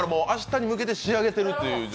明日に向けて仕上げてると。